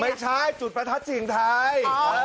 ไม่ใช่จุดประทัดเสียงทาย